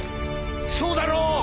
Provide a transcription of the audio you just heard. そうだろ？